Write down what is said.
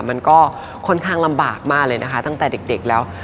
มันก็ค่อนข้างลำบากมากเลยนะคะตั้งแต่เด็กแล้ว